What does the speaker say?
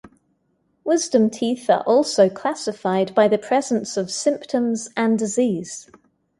Wisdom teeth are also classified by the presence of symptoms and disease.